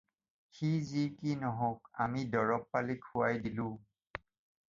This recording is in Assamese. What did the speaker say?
সি যি কি নহওক, আমি দৰব পালি খুৱাই দিলোঁ।